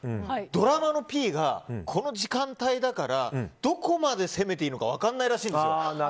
ドラマのＰがこの時間帯だからどこまで攻めていいのか分かんないらしいんですよ。